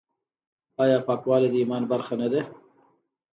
آیا پاکوالی د ایمان برخه نه ده؟